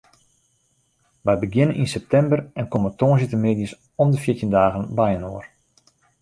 Wy begjinne yn septimber en komme tongersdeitemiddeis om de fjirtjin dagen byinoar.